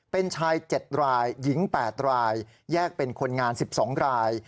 เป็นชาย๗รายหญิง๘รายแยกเป็นคนงาน๑๒ราย